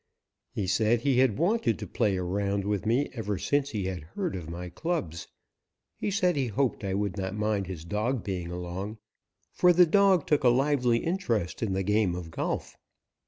He said he had wanted to play a round with me ever since he had heard of my clubs. He said he hoped I would not mind his dog being along, for the dog took a lively interest in the game of golf.